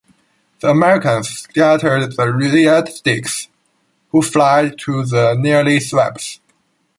The Americans scattered the Red Sticks, who fled to the nearby swamps.